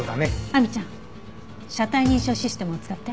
亜美ちゃん車体認証システムを使って。